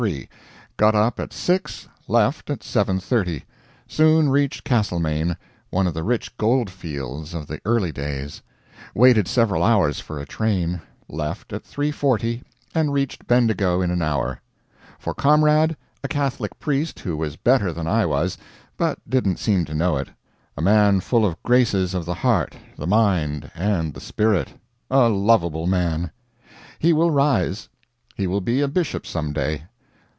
Got up at 6, left at 7.30; soon reached Castlemaine, one of the rich gold fields of the early days; waited several hours for a train; left at 3.40 and reached Bendigo in an hour. For comrade, a Catholic priest who was better than I was, but didn't seem to know it a man full of graces of the heart, the mind, and the spirit; a lovable man. He will rise. He will be a bishop some day.